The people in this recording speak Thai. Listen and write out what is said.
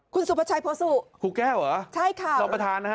คุณสุภาชัยโพสุครูแก้วเหรอใช่ค่ะรองประธานนะฮะ